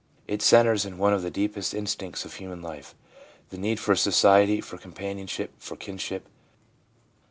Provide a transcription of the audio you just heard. It centres in one of the deepest instincts of human life, the need for society, for com panionship, for kinship.